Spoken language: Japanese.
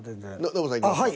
ノブさんいきますか。